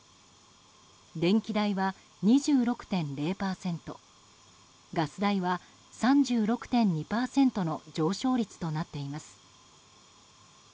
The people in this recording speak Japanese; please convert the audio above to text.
電気代は２６．０％ガス代は３６．２％の上昇率となっています。